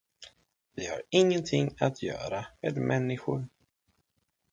Vi har ingenting att göra med människor.